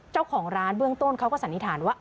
เจ้าของร้านเบื้องต้นเขาก็สันนิษฐานว่า